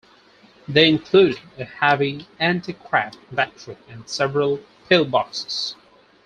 They included a heavy anti-aircraft battery and several pillboxes.